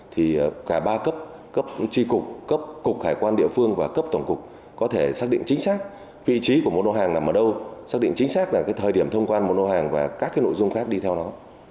thì cả ba cấp cấp tri cục cấp cục hải quan địa phương và cấp tổng cục có thể xác định chính xác vị trí của một nội hàng là mở đâu xác định chính xác là thời điểm thông quan một nội hàng và các nội dung khác đi theo nó